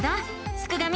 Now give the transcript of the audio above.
すくがミ